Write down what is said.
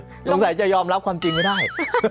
หน่วงใส่จะยอมรับความจริงก็ได้